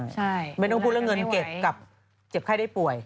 ใช่ไม่ต้องพูดเรื่องเงินเก็บกับเจ็บไข้ได้ป่วย